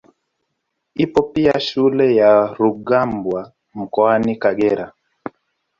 Ipo pia shule ya Rugambwa mkaoni Kagera